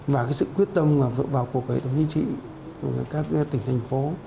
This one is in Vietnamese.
và sự quyết tâm vượt vào cuộc của hệ thống chính trị của các tỉnh thành phố